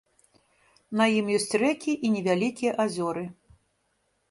На ім ёсць рэкі і невялікія азёры.